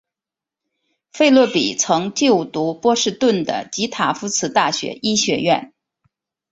费洛比曾就读波士顿的及塔夫茨大学医学院。